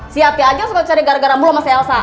si yati aja suka cari gara gara mulu sama si elsa